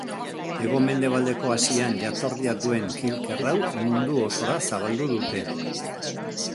Hego-mendebaldeko Asian jatorria duen kilker hau mundu osora zabaldu dute.